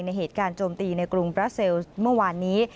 เหตุการณ์โจมตีในกรุงบราเซลเมื่อวานนี้